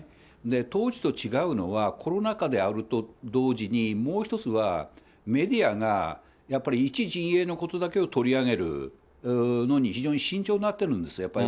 当時と違うのは、コロナ禍であると同時に、もう一つは、メディアがやっぱり一陣営のことだけを取り上げるのに非常に慎重になってるんですよ、やっぱり。